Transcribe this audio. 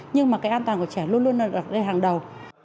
nhưng mà cái an toàn của trẻ luôn luôn là đặt lên hàng đầu